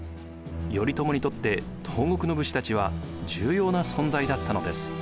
頼朝にとって東国の武士たちは重要な存在だったのです。